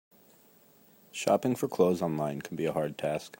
Shopping for clothes online can be a hard task.